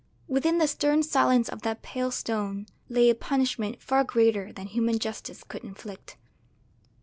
Within the stern silence of that pale stone lay a punishment far greater than human justice could inflict.